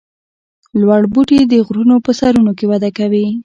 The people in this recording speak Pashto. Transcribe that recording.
لوړ بوټي د غرونو په سرونو کې وده کوي